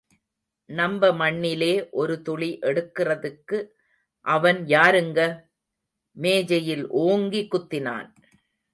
நம்ப மண்ணிலே ஒரு துளி எடுக்கிறதுக்கு அவன் யாருங்க? மேஜையில் ஓங்கிக் குத்தினான்.